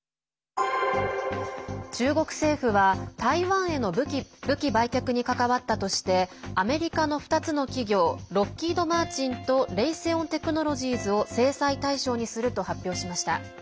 中国政府は台湾への武器売却に関わったとしてアメリカの２つの企業ロッキード・マーチンとレイセオン・テクノロジーズを制裁対象にすると発表しました。